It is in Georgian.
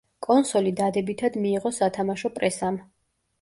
კონსოლი დადებითად მიიღო სათამაშო პრესამ.